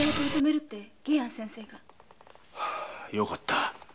よかった。